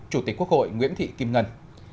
chủ tịch quốc hội nguyễn thị kim ngân